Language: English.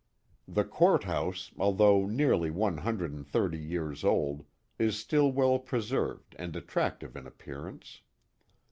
The court house, although nearly one hundred and thirty years old, is still well preserved and attractive in appearance.